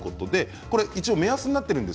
目安になっています。